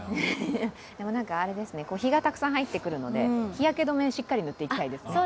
日がたくさん入ってくるので日焼け止めしっかり塗っていきたいですね。